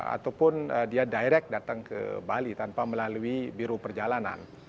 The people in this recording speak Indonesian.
ataupun dia direct datang ke bali tanpa melalui biro perjalanan